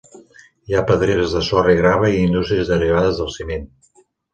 Hi ha pedreres de sorra i grava i indústries derivades del ciment.